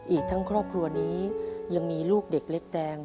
อีกทั้งครอบครัวนี้ยังมีลูกเด็กเล็กแดง